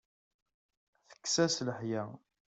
Tekkes-as leḥya.